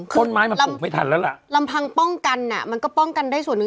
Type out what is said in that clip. คือลำพังป้องกันน่ะมันก็ป้องกันได้ส่วนหนึ่ง